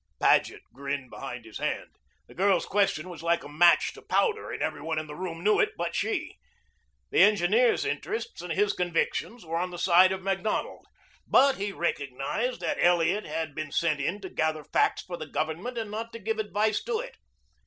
Paget grinned behind his hand. The girl's question was like a match to powder, and every one in the room knew it but she. The engineer's interests and his convictions were on the side of Macdonald, but he recognized that Elliot had been sent in to gather facts for the Government and not to give advice to it.